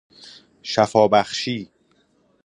شفا بخشی